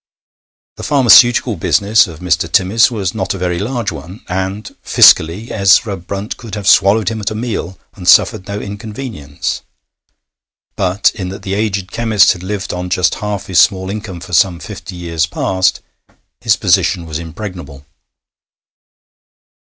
The pharmaceutical business of Mr. Timmis was not a very large one, and, fiscally, Ezra Brunt could have swallowed him at a meal and suffered no inconvenience; but in that the aged chemist had lived on just half his small income for some fifty years past, his position was impregnable.